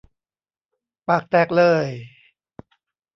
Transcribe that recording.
ปากแตกเลย